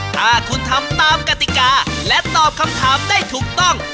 ถ้าคุณทำตามกติกาและตอบคำถามได้ถูกต้อง